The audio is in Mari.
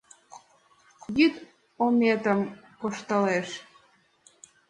Йӱд ометым кошталеш;